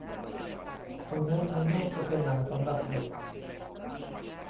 ถึงแม้ภายนอกจะเป็นหนังสำหรับเด็ก